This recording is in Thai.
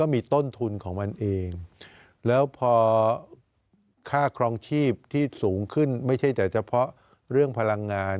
มีต้นทุนของมันเองแล้วพอค่าครองชีพที่สูงขึ้นไม่ใช่แต่เฉพาะเรื่องพลังงาน